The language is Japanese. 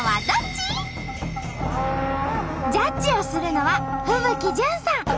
ジャッジをするのは風吹ジュンさん。